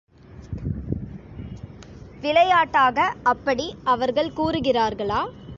விளையாட்டாக அப்படி அவர்கள் கூறுகிறார்களா?